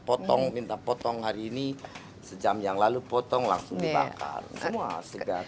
potong minta potong hari ini sejam yang lalu potong langsung dibakar semua segar